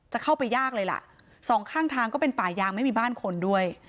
จะเข้าไปยากเลยล่ะสองข้างทางก็เป็นป่ายางไม่มีบ้านคนด้วย